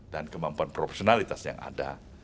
dan kemampuan profesionalitas yang ada